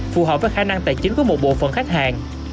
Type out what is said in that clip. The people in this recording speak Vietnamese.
phù hợp với khả năng tài chính của một bộ phận khách hàng